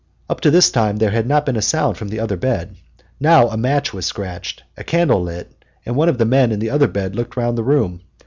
Up to this time there had not been a sound from the other bed. Now a match was scratched, a candle lit, and one of the men in the other bed looked round the room.